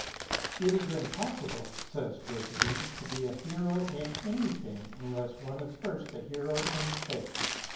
" It is impossible," says Jacoby, '* to be a hero in anything unless one is first a hero in faith."